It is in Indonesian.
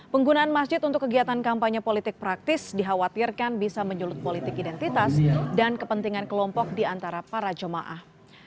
penggunaan masjid untuk kegiatan kampanye politik praktis dikhawatirkan bisa menyulut politik identitas dan kepentingan kelompok di antara para jemaah